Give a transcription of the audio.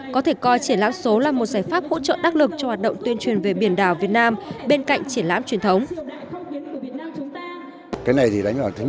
có thể coi triển lãm số là một giải pháp hỗ trợ đắc lực cho hoạt động tuyên truyền về biển đảo việt nam bên cạnh triển lãm truyền thống